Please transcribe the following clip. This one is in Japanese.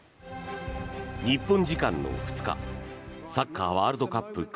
日本時間の２日サッカーワールドカップ